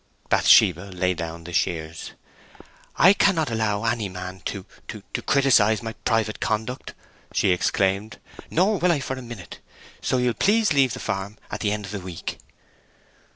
Bathsheba laid down the shears. "I cannot allow any man to—to criticise my private conduct!" she exclaimed. "Nor will I for a minute. So you'll please leave the farm at the end of the week!"